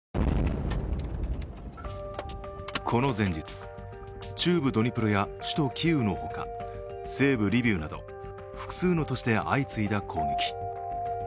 この前日、中部ドニプロや首都キーウのほか西部リビウなど複数の都市で相次いだ攻撃。